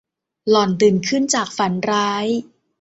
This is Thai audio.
หล่อนตื่นขึ้นจากฝันร้าย